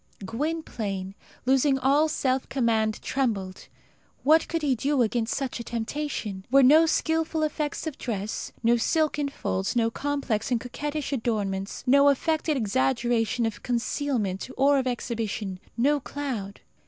Gwynplaine, losing all self command, trembled. What could he do against such a temptation? Here were no skilful effects of dress, no silken folds, no complex and coquettish adornments, no affected exaggeration of concealment or of exhibition, no cloud.